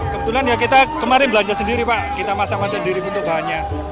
kebetulan ya kita kemarin belanja sendiri pak kita masak masak diri untuk bahannya